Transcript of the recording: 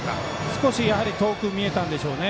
少し遠く見えたんでしょうね。